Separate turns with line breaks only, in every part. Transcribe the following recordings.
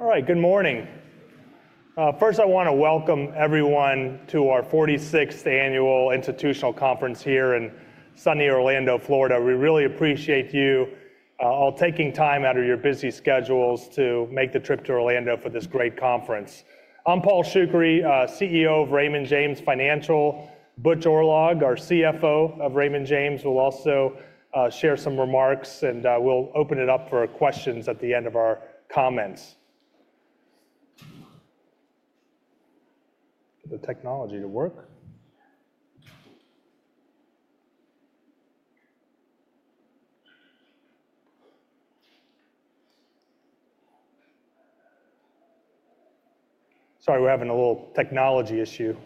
All right, good morning. First, I want to welcome everyone to our 46th Annual Institutional Conference here in sunny Orlando, Florida. We really appreciate you all taking time out of your busy schedules to make the trip to Orlando for this great conference. I'm Paul Shoukry, CEO of Raymond James Financial. Butch Oorlog, our CFO of Raymond James, will also share some remarks, and we'll open it up for questions at the end of our comments. The technology to work. Sorry, we're having a little technology issue.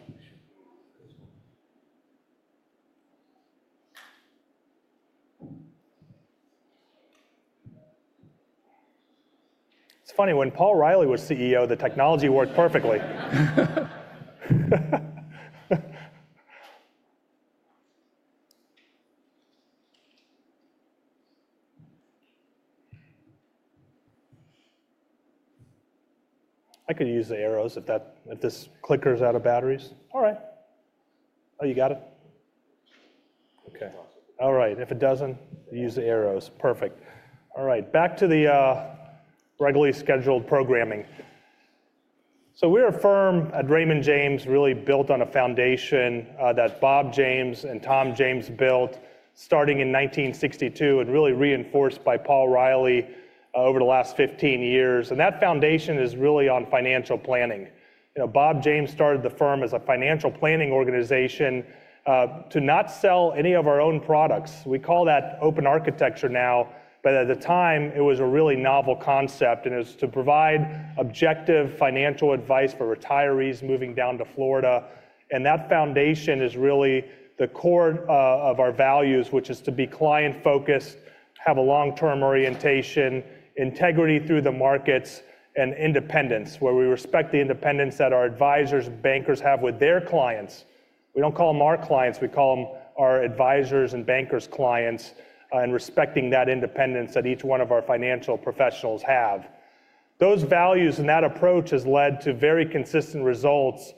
It's funny, when Paul Reilly was CEO, the technology worked perfectly. I could use the arrows if this clicker's out of batteries. All right. Oh, you got it? Okay. All right. If it doesn't, use the arrows. Perfect. All right, back to the regularly scheduled programming. We're a firm at Raymond James really built on a foundation that Bob James and Tom James built, starting in 1962 and really reinforced by Paul Reilly over the last 15 years. That foundation is really on financial planning. Bob James started the firm as a financial planning organization to not sell any of our own products. We call that open architecture now, but at the time it was a really novel concept, and it was to provide objective financial advice for retirees moving down to Florida. That foundation is really the core of our values, which is to be client-focused, have a long-term orientation, integrity through the markets, and independence, where we respect the independence that our advisors and bankers have with their clients. We don't call them our clients. We call them our advisors' and bankers' clients, and respecting that independence that each one of our financial professionals have. Those values and that approach has led to very consistent results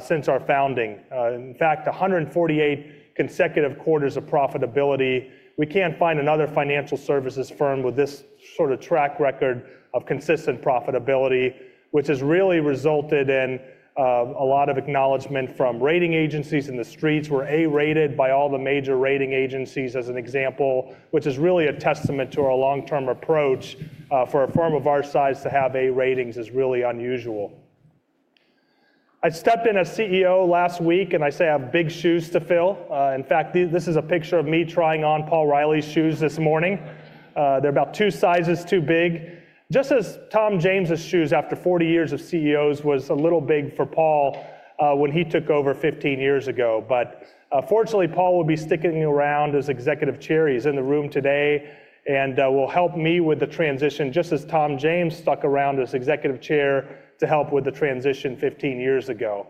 since our founding. In fact, 148 consecutive quarters of profitability. We can't find another financial services firm with this sort of track record of consistent profitability, which has really resulted in a lot of acknowledgment from rating agencies on the street. We're A-rated by all the major rating agencies, as an example, which is really a testament to our long-term approach. For a firm of our size to have A ratings is really unusual. I stepped in as CEO last week, and I say I have big shoes to fill. In fact, this is a picture of me trying on Paul Reilly's shoes this morning. They're about two sizes too big. Just as Tom James's shoes after 40 years as CEO were a little big for Paul when he took over 15 years ago. But fortunately, Paul will be sticking around as Executive Chair. He's in the room today and will help me with the transition, just as Tom James stuck around as Executive Chair to help with the transition 15 years ago.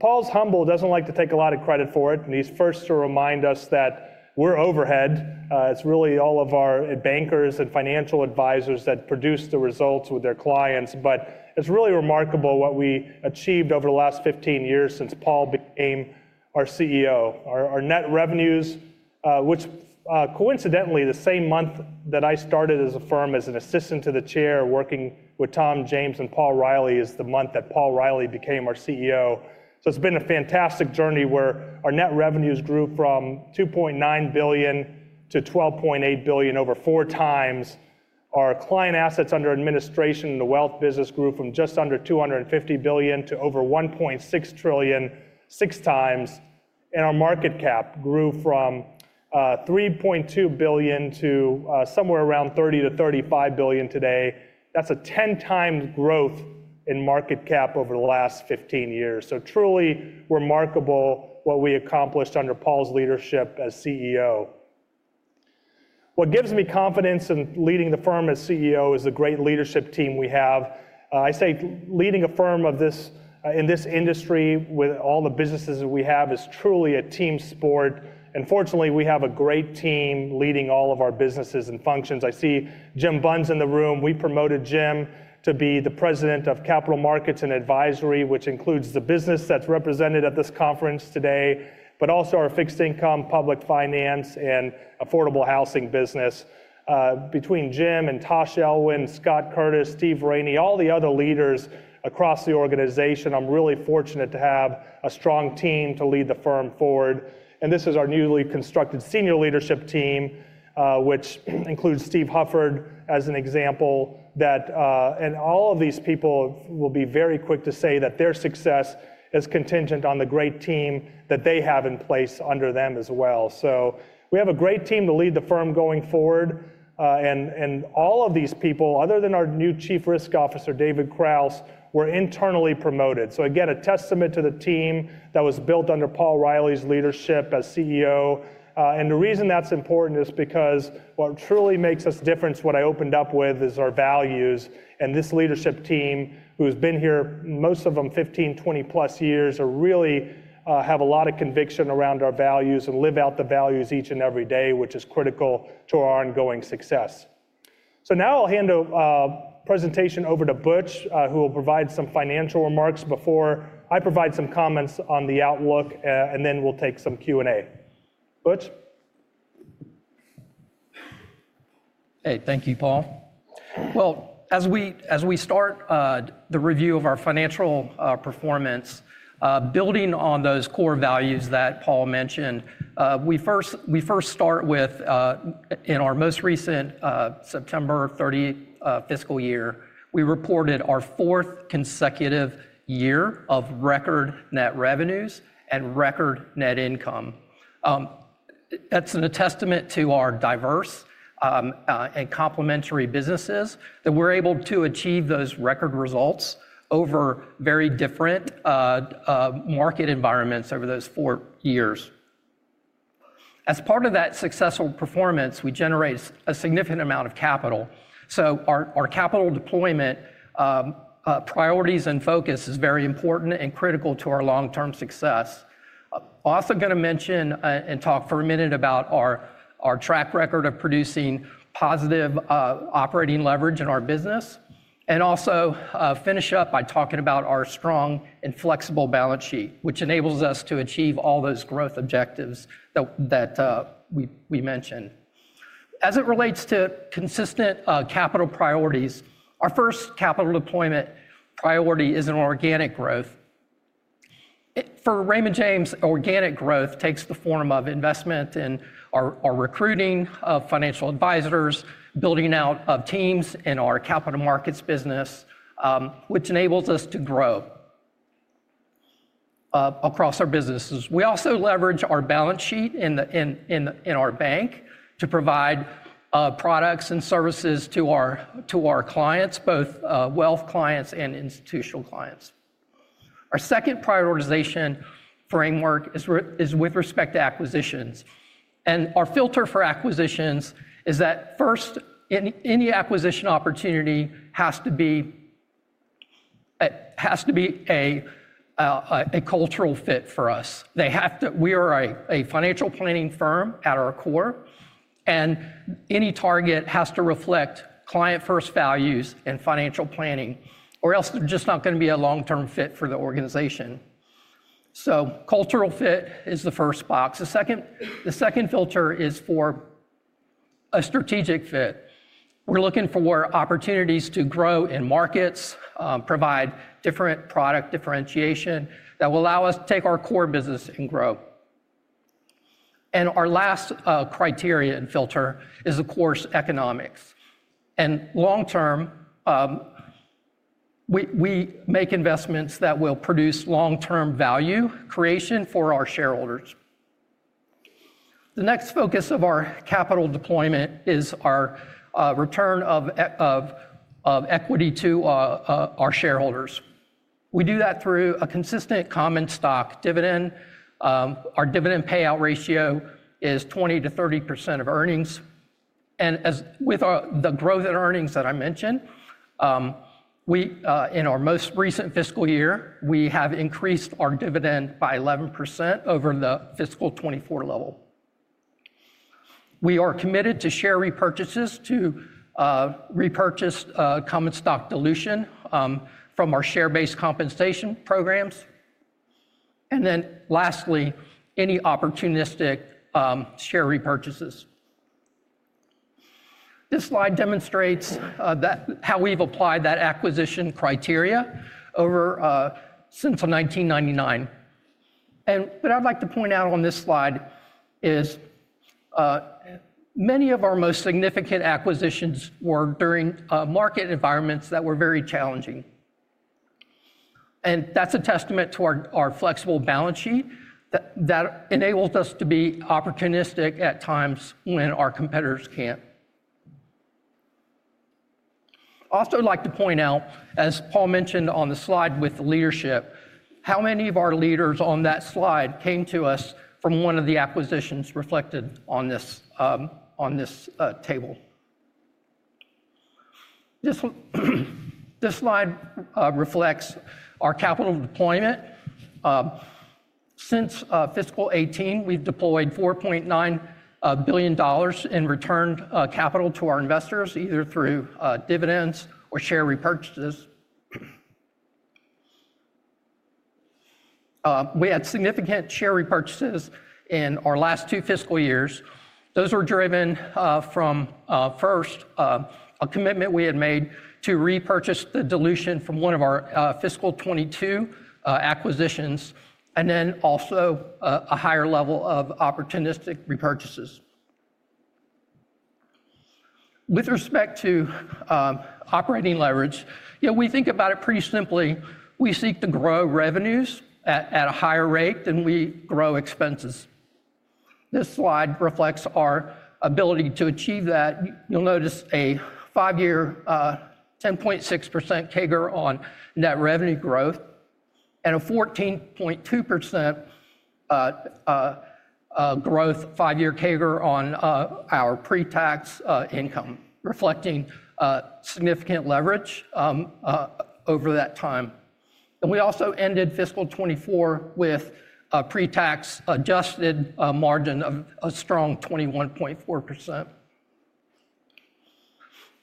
Paul's so humble he doesn't like to take a lot of credit for it, and he's first to remind us that we're overhead. It's really all of our bankers and financial advisors that produce the results with their clients. But it's really remarkable what we achieved over the last 15 years since Paul became our CEO. Our net revenues, which coincidentally is the same month that I started at the firm as an assistant to the Chairman working with Tom James and Paul Reilly, is the month that Paul Reilly became our CEO. So it's been a fantastic journey where our net revenues grew from $2.9 billion-$12.8 billion, over four times. Our client assets under administration in the wealth business grew from just under $250 billion to over $1.6 trillion, six times. And our market cap grew from $3.2 billion to somewhere around $30 billion-$35 billion today. That's a 10-time growth in market cap over the last 15 years. So truly remarkable what we accomplished under Paul's leadership as CEO. What gives me confidence in leading the firm as CEO is the great leadership team we have. I say leading a firm in this industry with all the businesses that we have is truly a team sport. And fortunately, we have a great team leading all of our businesses and functions. I see Jim Bunn is in the room. We promoted Jim to be the President of Capital Markets and Advisory, which includes the business that's represented at this conference today, but also our fixed income, public finance, and affordable housing business. Between Jim and Tash Elwyn, Scott Curtis, Steve Raney, all the other leaders across the organization, I'm really fortunate to have a strong team to lead the firm forward. And this is our newly constructed senior leadership team, which includes Steve Hufford as an example. And all of these people will be very quick to say that their success is contingent on the great team that they have in place under them as well. So we have a great team to lead the firm going forward. And all of these people, other than our new Chief Risk Officer, David Kraus, were internally promoted. So again, a testament to the team that was built under Paul Reilly's leadership as CEO. And the reason that's important is because what truly makes us different, what I opened up with, is our values. And this leadership team, who's been here most of them 15, 20 plus years, really have a lot of conviction around our values and live out the values each and every day, which is critical to our ongoing success. So now I'll hand a presentation over to Butch, who will provide some financial remarks before I provide some comments on the outlook, and then we'll take some Q&A. Butch?
Hey, thank you, Paul. Well, as we start the review of our financial performance, building on those core values that Paul mentioned, we first start with, in our most recent September 30 fiscal year, we reported our fourth consecutive year of record net revenues and record net income. That's a testament to our diverse and complementary businesses that we're able to achieve those record results over very different market environments over those four years. As part of that successful performance, we generate a significant amount of capital. So our capital deployment priorities and focus is very important and critical to our long-term success. I'm also going to mention and talk for a minute about our track record of producing positive operating leverage in our business, and also finish up by talking about our strong and flexible balance sheet, which enables us to achieve all those growth objectives that we mentioned. As it relates to consistent capital priorities, our first capital deployment priority is an organic growth. For Raymond James, organic growth takes the form of investment in our recruiting of financial advisors, building out of teams in our capital markets business, which enables us to grow across our businesses. We also leverage our balance sheet in our bank to provide products and services to our clients, both wealth clients and institutional clients. Our second prioritization framework is with respect to acquisitions. And our filter for acquisitions is that first, any acquisition opportunity has to be a cultural fit for us. We are a financial planning firm at our core, and any target has to reflect client-first values and financial planning, or else there's just not going to be a long-term fit for the organization. So cultural fit is the first box. The second filter is for a strategic fit. We're looking for opportunities to grow in markets, provide different product differentiation that will allow us to take our core business and grow. And our last criteria and filter is, of course, economics. And long-term, we make investments that will produce long-term value creation for our shareholders. The next focus of our capital deployment is our return of equity to our shareholders. We do that through a consistent common stock dividend. Our dividend payout ratio is 20%-30% of earnings. And with the growth in earnings that I mentioned, in our most recent fiscal year, we have increased our dividend by 11% over the fiscal 2024 level. We are committed to share repurchases, to repurchase common stock dilution from our share-based compensation programs. And then lastly, any opportunistic share repurchases. This slide demonstrates how we've applied that acquisition criteria since 1999. What I'd like to point out on this slide is many of our most significant acquisitions were during market environments that were very challenging. That's a testament to our flexible balance sheet that enables us to be opportunistic at times when our competitors can't. I also like to point out, as Paul mentioned on the slide with the leadership, how many of our leaders on that slide came to us from one of the acquisitions reflected on this table. This slide reflects our capital deployment. Since fiscal 2018, we've deployed $4.9 billion in return capital to our investors, either through dividends or share repurchases. We had significant share repurchases in our last two fiscal years. Those were driven from, first, a commitment we had made to repurchase the dilution from one of our fiscal 2022 acquisitions, and then also a higher level of opportunistic repurchases. With respect to operating leverage, we think about it pretty simply. We seek to grow revenues at a higher rate than we grow expenses. This slide reflects our ability to achieve that. You'll notice a five-year 10.6% CAGR on net revenue growth and a 14.2% growth five-year CAGR on our pre-tax income, reflecting significant leverage over that time. And we also ended fiscal 2024 with a pre-tax adjusted margin of a strong 21.4%.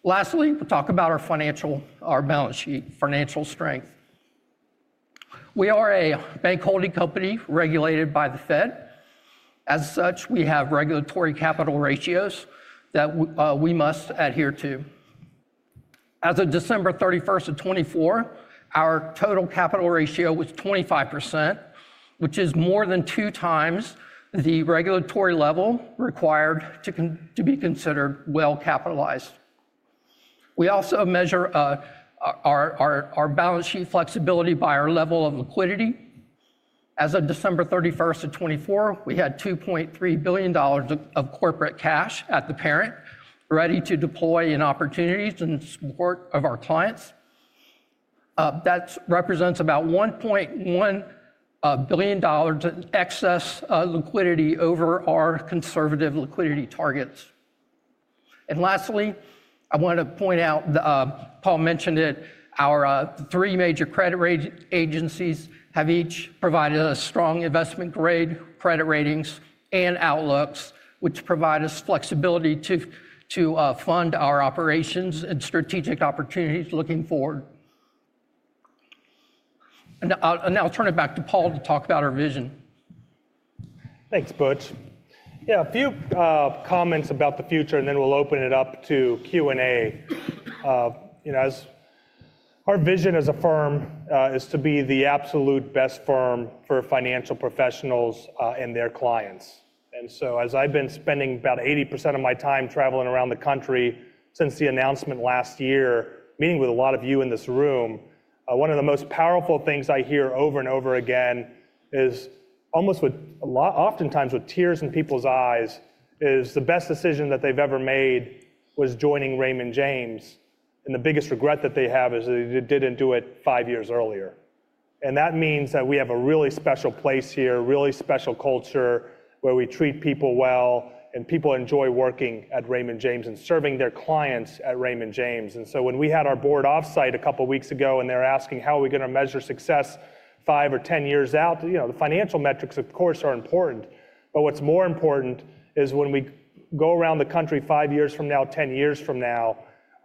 Lastly, we'll talk about our balance sheet financial strength. We are a bank holding company regulated by the Fed. As such, we have regulatory capital ratios that we must adhere to. As of December 31st of 2024, our total capital ratio was 25%, which is more than two times the regulatory level required to be considered well capitalized. We also measure our balance sheet flexibility by our level of liquidity. As of December 31st of 2024, we had $2.3 billion of corporate cash at the parent ready to deploy in opportunities in support of our clients. That represents about $1.1 billion in excess liquidity over our conservative liquidity targets. And lastly, I want to point out, Paul mentioned it, our three major credit agencies have each provided us strong investment-grade credit ratings and outlooks, which provide us flexibility to fund our operations and strategic opportunities looking forward. And I'll turn it back to Paul to talk about our vision.
Thanks, Butch. Yeah, a few comments about the future, and then we'll open it up to Q&A. Our vision as a firm is to be the absolute best firm for financial professionals and their clients. And so as I've been spending about 80% of my time traveling around the country since the announcement last year, meeting with a lot of you in this room, one of the most powerful things I hear over and over again is, oftentimes with tears in people's eyes, is the best decision that they've ever made was joining Raymond James. And the biggest regret that they have is they didn't do it five years earlier. And that means that we have a really special place here, a really special culture where we treat people well, and people enjoy working at Raymond James and serving their clients at Raymond James. And so when we had our board offsite a couple of weeks ago and they're asking, how are we going to measure success five or ten years out? The financial metrics, of course, are important. But what's more important is when we go around the country five years from now, ten years from now,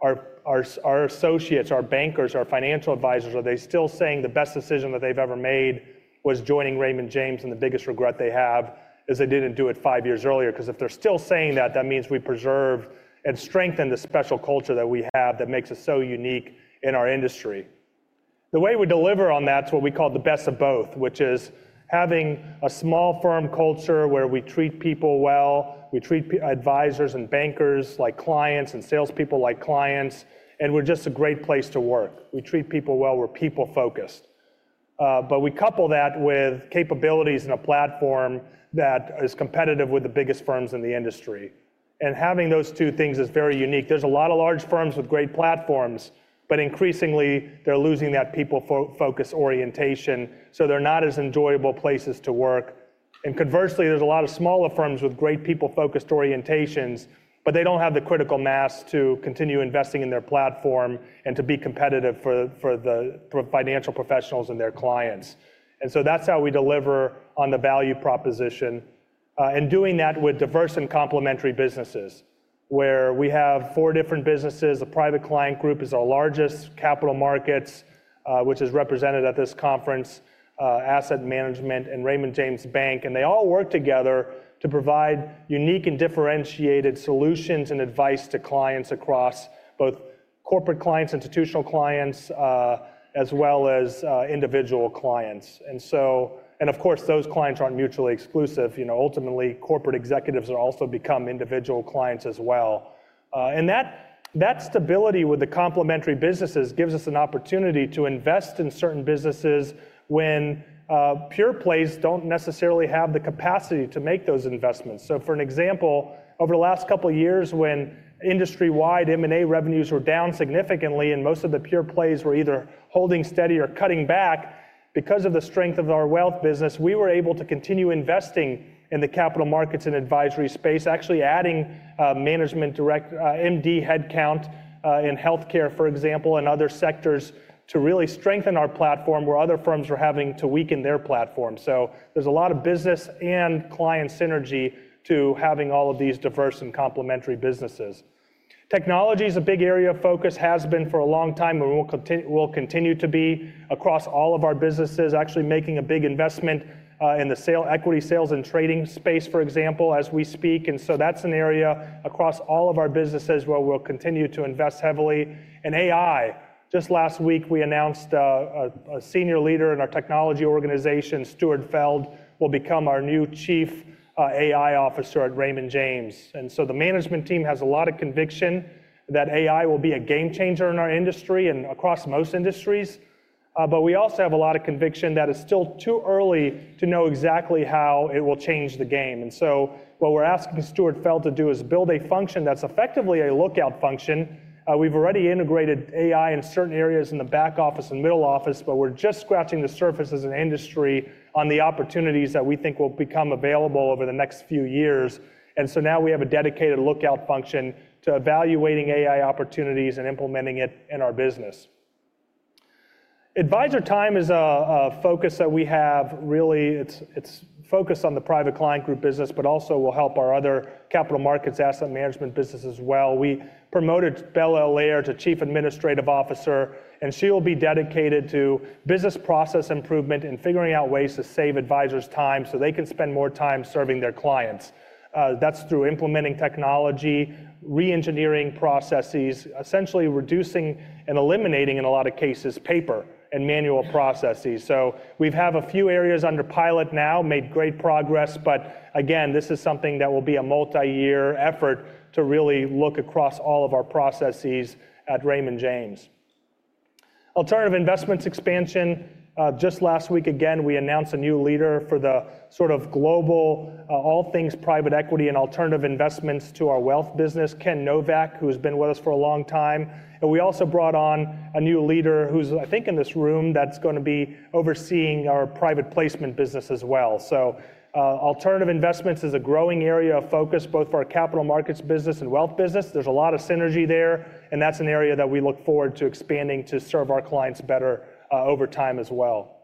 our associates, our bankers, our financial advisors, are they still saying the best decision that they've ever made was joining Raymond James? And the biggest regret they have is they didn't do it five years earlier. Because if they're still saying that, that means we preserve and strengthen the special culture that we have that makes us so unique in our industry. The way we deliver on that is what we call the best of both, which is having a small firm culture where we treat people well, we treat advisors and bankers like clients and salespeople like clients, and we're just a great place to work. We treat people well. We're people-focused. But we couple that with capabilities and a platform that is competitive with the biggest firms in the industry. And having those two things is very unique. There's a lot of large firms with great platforms, but increasingly they're losing that people-focused orientation, so they're not as enjoyable places to work. And conversely, there's a lot of smaller firms with great people-focused orientations, but they don't have the critical mass to continue investing in their platform and to be competitive for the financial professionals and their clients. And so that's how we deliver on the value proposition. Doing that with diverse and complementary businesses, where we have four different businesses. The Private Client Group is our largest, Capital Markets, which is represented at this conference, Asset Management, and Raymond James Bank. They all work together to provide unique and differentiated solutions and advice to clients across both corporate clients, institutional clients, as well as individual clients. Of course, those clients aren't mutually exclusive. Ultimately, corporate executives are also becoming individual clients as well. That stability with the complementary businesses gives us an opportunity to invest in certain businesses when pure plays don't necessarily have the capacity to make those investments. For an example, over the last couple of years, when industry-wide M&A revenues were down significantly and most of the pure plays were either holding steady or cutting back, because of the strength of our wealth business, we were able to continue investing in the capital markets and advisory space, actually adding Management Director MD headcount in healthcare, for example, and other sectors to really strengthen our platform where other firms were having to weaken their platform. So there's a lot of business and client synergy to having all of these diverse and complementary businesses. Technology is a big area of focus, has been for a long time, and will continue to be across all of our businesses, actually making a big investment in the equity sales and trading space, for example, as we speak. That's an area across all of our businesses where we'll continue to invest heavily. AI, just last week, we announced a senior leader in our technology organization, Stuart Feld, will become our new Chief AI Officer at Raymond James. The management team has a lot of conviction that AI will be a game changer in our industry and across most industries. We also have a lot of conviction that it's still too early to know exactly how it will change the game. What we're asking Stuart Feld to do is build a function that's effectively a lookout function. We've already integrated AI in certain areas in the back office and middle office, but we're just scratching the surface as an industry on the opportunities that we think will become available over the next few years. And so now we have a dedicated lookout function to evaluating AI opportunities and implementing it in our business. Advisor time is a focus that we have really. It's focused on the Private Client Group business, but also will help our other Capital Markets asset management business as well. We promoted Bella Allaire to Chief Administrative Officer, and she will be dedicated to business process improvement and figuring out ways to save advisors' time so they can spend more time serving their clients. That's through implementing technology, re-engineering processes, essentially reducing and eliminating, in a lot of cases, paper and manual processes. So we have a few areas under pilot now, made great progress. But again, this is something that will be a multi-year effort to really look across all of our processes at Raymond James. Alternative investments expansion. Just last week, again, we announced a new leader for the sort of global all things private equity and alternative investments to our wealth business, Ken Nowak, who has been with us for a long time. And we also brought on a new leader who's, I think, in this room that's going to be overseeing our private placement business as well. So alternative investments is a growing area of focus, both for our capital markets business and wealth business. There's a lot of synergy there, and that's an area that we look forward to expanding to serve our clients better over time as well.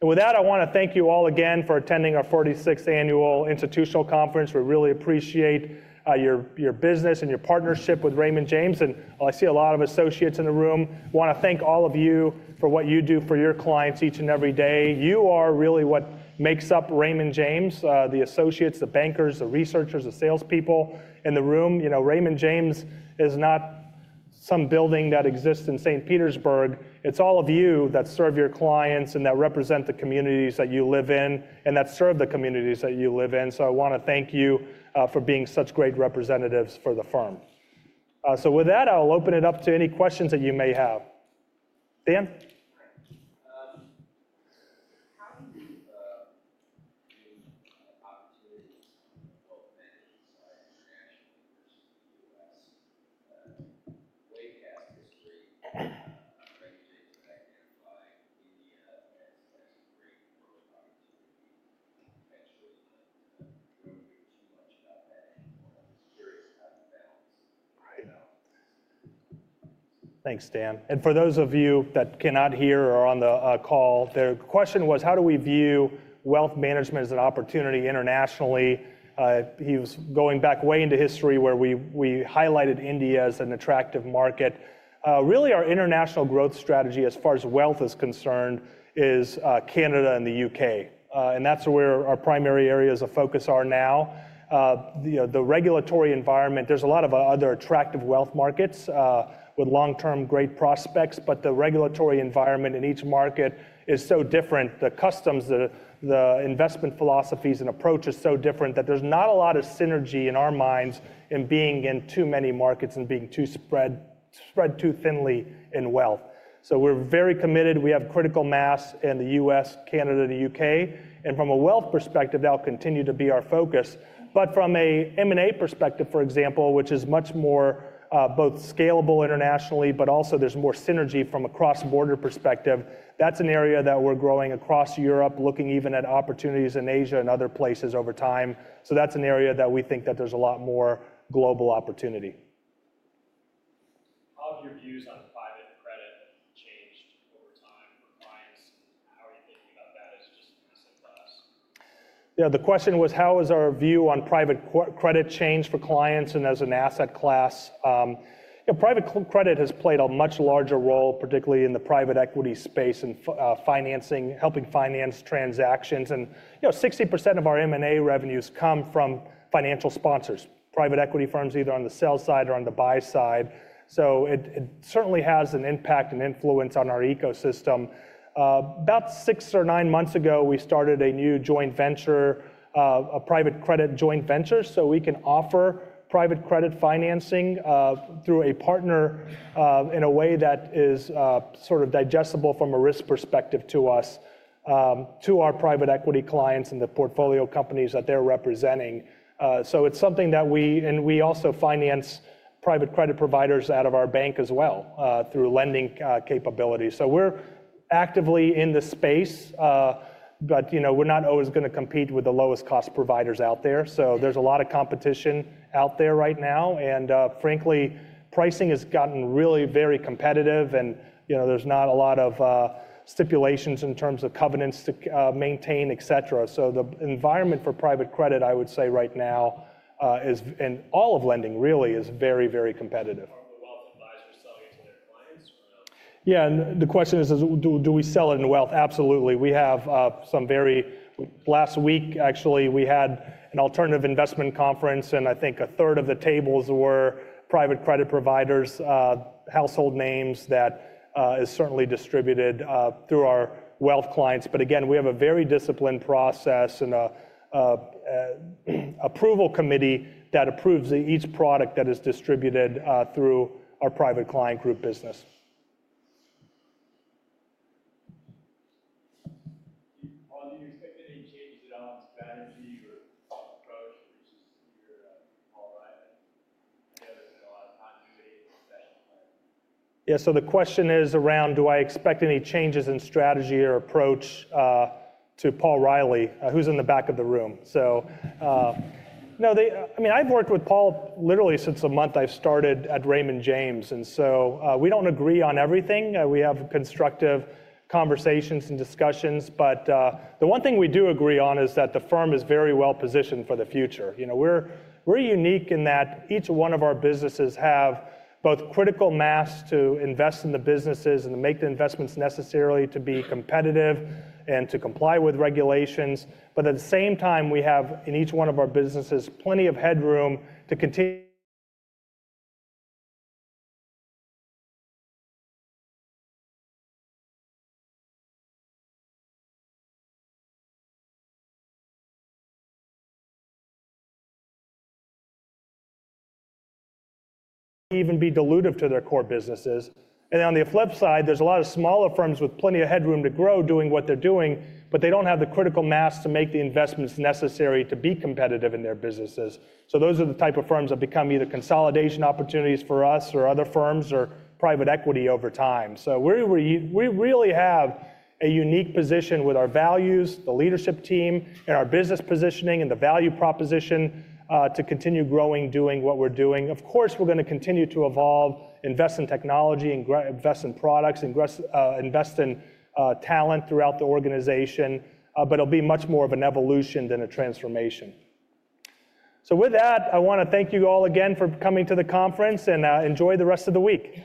And with that, I want to thank you all again for attending our 46th annual institutional conference. We really appreciate your business and your partnership with Raymond James. And I see a lot of associates in the room. I want to thank all of you for what you do for your clients each and every day. You are really what makes up Raymond James, the associates, the bankers, the researchers, the salespeople in the room. Raymond James is not some building that exists in St. Petersburg. It's all of you that serve your clients and that represent the communities that you live in and that serve the communities that you live in. So I want to thank you for being such great representatives for the firm. So with that, I'll open it up to any questions that you may have. Dan. How do you view opportunities of many international markets in the U.S.? Way past history, Raymond James has identified India as a great growth opportunity. I'm not sure that we've heard too much about that anymore. I'm just curious how you balance the two balances. Thanks, Dan. And for those of you that cannot hear or are on the call, the question was, how do we view wealth management as an opportunity internationally? He was going back way into history where we highlighted India as an attractive market. Really, our international growth strategy, as far as wealth is concerned, is Canada and the U.K. And that's where our primary areas of focus are now. The regulatory environment, there's a lot of other attractive wealth markets with long-term great prospects, but the regulatory environment in each market is so different. The customs, the investment philosophies and approach are so different that there's not a lot of synergy in our minds in being in too many markets and being spread too thinly in wealth. So we're very committed. We have critical mass in the U.S., Canada, and the U.K. And from a wealth perspective, that'll continue to be our focus. But from an M&A perspective, for example, which is much more both scalable internationally, but also there's more synergy from a cross-border perspective, that's an area that we're growing across Europe, looking even at opportunities in Asia and other places over time. So that's an area that we think that there's a lot more global opportunity. How have your views on private credit changed over time for clients? How are you thinking about that as just a massive plus? Yeah, the question was, how has our view on private credit changed for clients and as an asset class? Private credit has played a much larger role, particularly in the private equity space and helping finance transactions, and 60% of our M&A revenues come from financial sponsors, private equity firms, either on the sell side or on the buy side, so it certainly has an impact and influence on our ecosystem. About six or nine months ago, we started a new joint venture, a private credit joint venture, so we can offer private credit financing through a partner in a way that is sort of digestible from a risk perspective to us, to our private equity clients and the portfolio companies that they're representing, so it's something that we, and we also finance private credit providers out of our bank as well through lending capabilities. So we're actively in the space, but we're not always going to compete with the lowest cost providers out there. So there's a lot of competition out there right now. And frankly, pricing has gotten really very competitive, and there's not a lot of stipulations in terms of covenants to maintain, et cetera. So the environment for private credit, I would say right now, and all of lending really, is very, very competitive. Are we wealth advisors selling it to their clients? Yeah. And the question is, do we sell it in wealth? Absolutely. We have some very. Last week, actually, we had an alternative investment conference, and I think a third of the tables were private credit providers, household names that are certainly distributed through our wealth clients. But again, we have a very disciplined process and an approval committee that approves each product that is distributed through our Private Client Group business. Paul, do you expect any change in Paul's strategy or approach versus yours, Paul Reilly? I know there's been a lot of continuity in the sessions. Yeah. So the question is around, do I expect any changes in strategy or approach to Paul Reilly? Who's in the back of the room? So I mean, I've worked with Paul literally since the month I've started at Raymond James. And so we don't agree on everything. We have constructive conversations and discussions. But the one thing we do agree on is that the firm is very well positioned for the future. We're unique in that each one of our businesses has both critical mass to invest in the businesses and to make the investments necessary to be competitive and to comply with regulations. But at the same time, we have in each one of our businesses plenty of headroom to continue. Even be dilutive to their core businesses. And on the flip side, there's a lot of smaller firms with plenty of headroom to grow doing what they're doing, but they don't have the critical mass to make the investments necessary to be competitive in their businesses. So those are the type of firms that become either consolidation opportunities for us or other firms or private equity over time. So we really have a unique position with our values, the leadership team, and our business positioning and the value proposition to continue growing, doing what we're doing. Of course, we're going to continue to evolve, invest in technology and invest in products and invest in talent throughout the organization, but it'll be much more of an evolution than a transformation. So with that, I want to thank you all again for coming to the conference and enjoy the rest of the week.